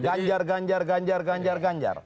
ganjar ganjar ganjar ganjar ganjar